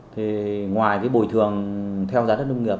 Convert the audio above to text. thì ngoài cái bồi thường theo giá đất nông nghiệp